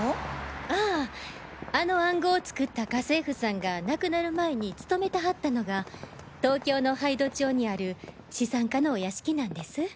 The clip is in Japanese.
あぁあの暗号を作った家政婦さんが亡くなる前に勤めてはったのが東京の杯戸町にある資産家のお屋敷なんです。